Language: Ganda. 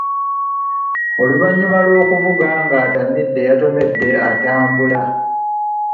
Oluvannyuma lw'okuvuga ng'atamidde, yatomedde atambula.